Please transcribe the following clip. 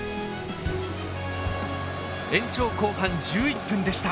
延長後半１１分でした。